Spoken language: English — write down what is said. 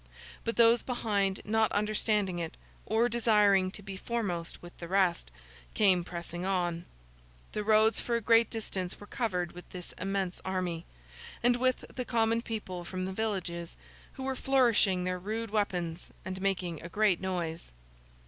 But, those behind not understanding it, or desiring to be foremost with the rest, came pressing on. The roads for a great distance were covered with this immense army, and with the common people from the villages, who were flourishing their rude weapons, and making a great noise.